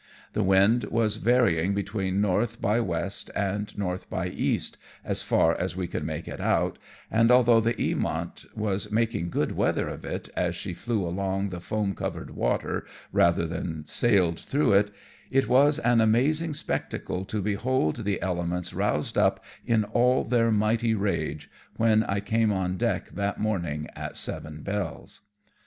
The wind was varying between N. by W. and N. by E. as far as one could make it out, and although the Eamont was making good weather of it as she flew along the foam covered water rather than sailed through it, it was an amazing spectacle to behold the elements roused up in all their mighty rage, when I came on deck that morning at seven bells.